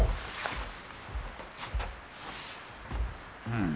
うん。